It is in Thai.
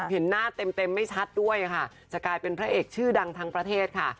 เห็นหน้าเต็มไม่ชัดด้วยค่ะจะกลายเป็นพระเอกชื่อดังทั้งประเทศค่ะ